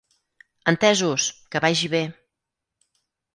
Entesos, que vagi bé!